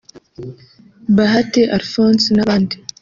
Bahati Alphonse n’abandi